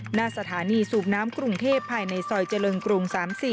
หน้าสถานีสูบน้ำกรุงเทพภายในซอยเจริญกรุง๓๔